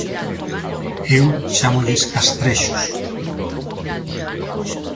Eu chámolles castrexos.